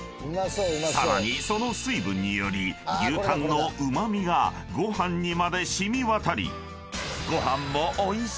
［さらにその水分により牛たんのうまみがご飯にまで染み渡り］